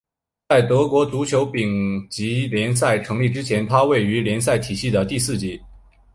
在德国足球丙级联赛成立之前它位于联赛体系的第四级。